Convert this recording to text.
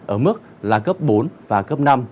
ở mức là cấp bốn và cấp năm